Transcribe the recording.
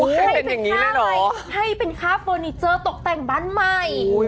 ให้เป็นอย่างนี้เลยให้เป็นค่าเฟอร์นิเจอร์ตกแต่งบ้านใหม่